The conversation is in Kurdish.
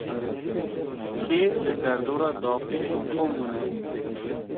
Kî li derdora dapîrê kom bûne?